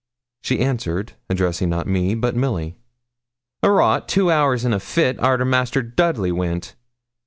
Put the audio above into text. She answered, addressing not me, but Milly 'A wrought two hours in a fit arter Master Dudley went.